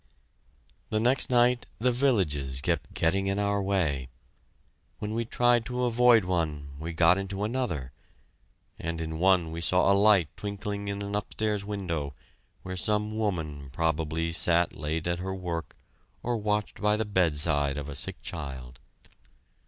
The next night the villages kept getting in our way. When we tried to avoid one, we got into another, and in one we saw a light twinkling in an upstairs window, where some woman, probably, sat late at her work or watched by the bedside of a sick child.